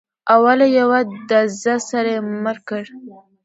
او له یوه ډزه سره یې مړ کړ.